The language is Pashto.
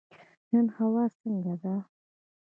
نن هوا څنګه ده؟